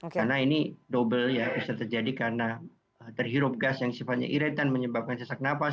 karena ini double ya bisa terjadi karena terhirup gas yang sifatnya iritan menyebabkan sesak nafas